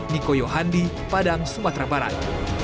niko yohandi padang sumatera barat